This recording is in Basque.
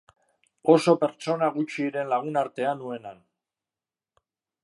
Oso pertsona gutxiren lagunartea nuen han.